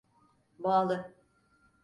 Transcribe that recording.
Bağlı.